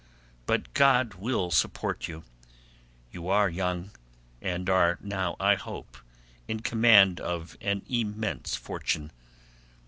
But God will support you: you are young, and are now, I hope, in command of an immense fortune.